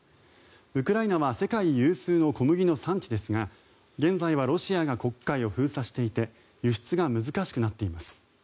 ウクライナは世界有数の小麦の産地ですが現在はロシアが黒海を封鎖していて輸出が難しくなっています。